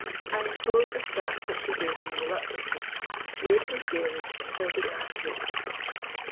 I enclose a scrap which she gave me reluctantly. "Yours sincerely, "HILDEGARDE BRUCE."